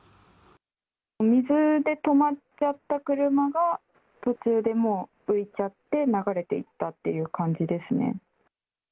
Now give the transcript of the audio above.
水で止まっちゃった車が途中でもう浮いちゃって、流れていったっていう感じですね。